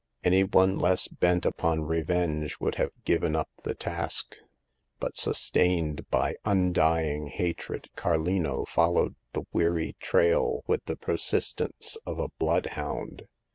Any one less bent upon revenge would have given up the task ; but, sustained by undy ing hatred, Carlino followed the weary trail with the persistence of a bloodhound.